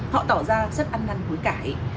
họ tỏ ra rất ăn năn với cãi